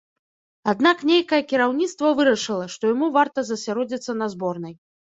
Аднак нейкае кіраўніцтва вырашыла, што яму варта засяродзіцца на зборнай.